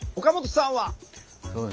岡本さんは？